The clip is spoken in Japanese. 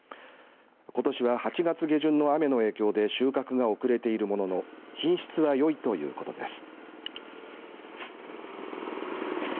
ことしは８月下旬の雨の影響で収穫が遅れているものの品質は、よいということです。